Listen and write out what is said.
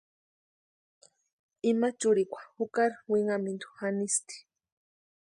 Ima churikwa jukari winhamintu janisti.